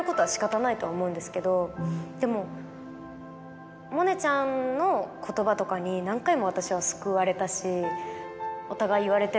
でも萌音ちゃんの言葉とかに何回も私は救われたし。